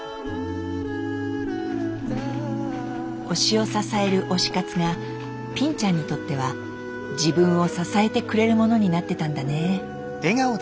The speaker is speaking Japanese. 推しを支える「推し活」がぴんちゃんにとっては自分を支えてくれるものになってたんだね。